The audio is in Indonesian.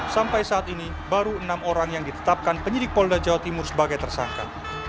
sampai saat ini baru enam orang yang ditetapkan penyidik polda jawa timur sebagai tersangka